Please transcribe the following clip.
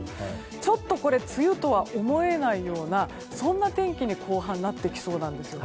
ちょっと梅雨とは思えないような天気に後半なってきそうなんです。